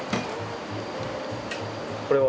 これは？